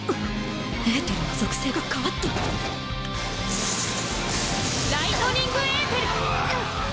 エーテルの属性が変わった⁉ライトニングエーテル！うわ！